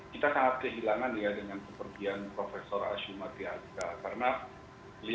kita sangat kehilangan dia dengan kepergian profesor azumar diyazra